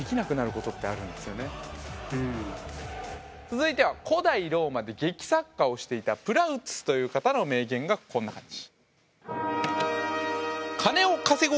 続いては古代ローマで劇作家をしていたプラウトゥスという方の名言がこんな感じ。